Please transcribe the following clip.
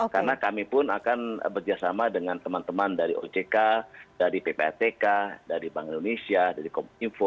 karena kami pun akan bekerjasama dengan teman teman dari ojk dari ppatk dari bank indonesia dari komunik info